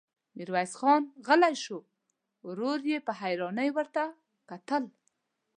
ميرويس خان غلی شو، ورور يې په حيرانۍ ورته کتل.